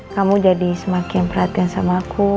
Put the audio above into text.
kamu jadi semakin perhatiin sama aku